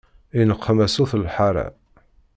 I neqma sut lḥara.